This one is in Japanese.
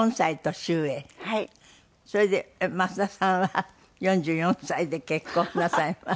それで増田さんは４４歳で結婚なさいました。